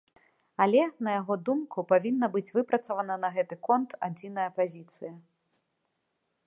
Але, на яго думку, павінна быць выпрацавана на гэты конт адзіная пазіцыя.